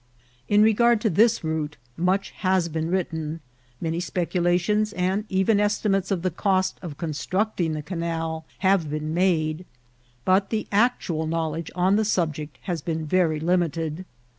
In regard to this route much has been written, many speculations and even estimates of the cost of constructing the canal have been made, but the actual knowledge on the sul> ject has been very limited.